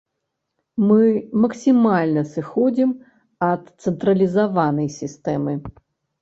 Мы максімальна сыходзім ад цэнтралізаванай сістэмы.